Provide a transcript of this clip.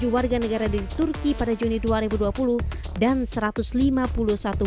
satu ratus tujuh puluh tujuh warga negara di indonesia dan satu ratus tujuh puluh tujuh warga negara di jerman di tahun dua ribu dua puluh